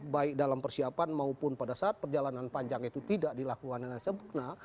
baik dalam persiapan maupun pada saat perjalanan panjang itu tidak dilakukan dengan sempurna